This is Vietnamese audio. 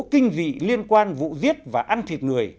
kinh dị liên quan vụ giết và ăn thịt người